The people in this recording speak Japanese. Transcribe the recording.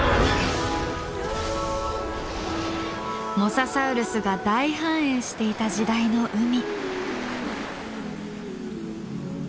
モササウルスが大繁栄していた時代の海。